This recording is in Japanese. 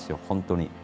本当に。